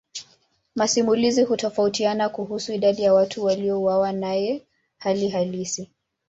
Masimulizi hutofautiana kuhusu idadi ya watu waliouawa naye hali halisi.